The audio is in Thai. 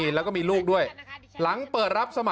๒คนนะคะแล้วก็ดูดิฉันด้วยค่ะ๑คนค่ะ